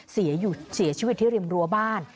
เสียชีวิตที่ริมรั้วบ้าน